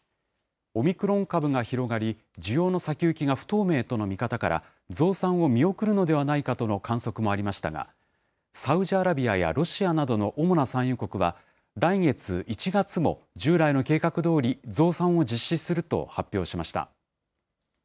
オミクロン株が広がり、需要の先行きが不透明との見方から、増産を見送るのではないかとの観測もありましたが、サウジアラビアやロシアなどの主な産油国は、来月・１月も従来の計画どおり、増産を実施すると発表しました。